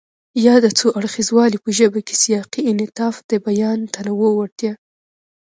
ياد څو اړخیزوالی په ژبه کې سیاقي انعطاف، د بیان د تنوع وړتیا،